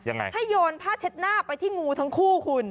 ยังไงให้โยนผ้าเช็ดหน้าไปที่งูทั้งคู่คุณ